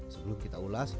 sebelum kita ulas